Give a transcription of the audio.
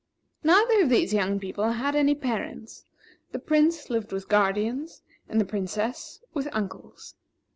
Neither of these young people had any parents; the Prince lived with guardians and the Princess with uncles.